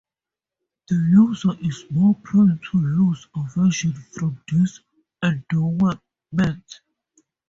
The user is more prone to loss aversion from this endowment.